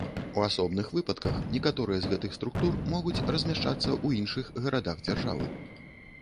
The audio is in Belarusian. У асобных выпадках некаторыя з гэтых структур могуць размяшчацца ў іншых гарадах дзяржавы.